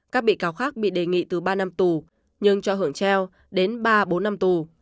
các bị cáo khác bị đề nghị từ ba năm tù nhưng cho hưởng treo đến ba bốn năm tù